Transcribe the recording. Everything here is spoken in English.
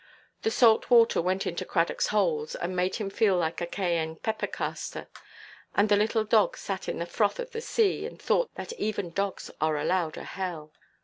The salt water went into Cradockʼs holes, and made him feel like a Cayenne peppercastor; and the little dog sat in the froth of the sea, and thought that even dogs are allowed a hell.